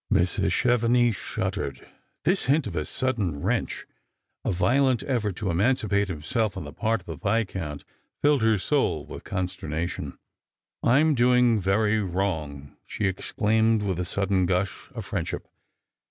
Mrs. Chevenix shuddered. This hint of a sudden wrench, a violent effort to emancipate himself, on the part of the Viscount, filled her soul with consternation. " I'm doing very wrong," she exclaimed, with a sudden gush of friendship.